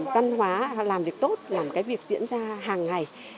văn hóa làm việc tốt làm cái việc diễn ra hàng ngày